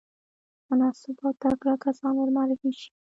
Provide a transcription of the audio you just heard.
مناسب او تکړه کسان ورمعرفي شي.